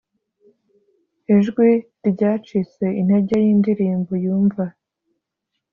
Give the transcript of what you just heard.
ijwi ryacitse intege yindirimbo yumva.